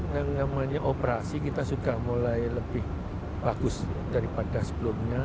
karena operasi kita sudah mulai lebih bagus daripada sebelumnya